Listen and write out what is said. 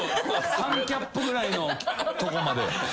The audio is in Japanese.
半キャップぐらいのとこまで。